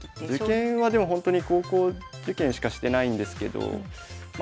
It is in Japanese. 受験はでもほんとに高校受験しかしてないんですけどまあ